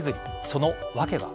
その訳は。